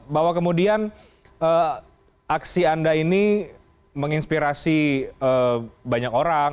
bahwa kemudian aksi anda ini menginspirasi banyak orang